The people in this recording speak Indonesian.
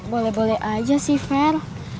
boleh boleh aja sih fair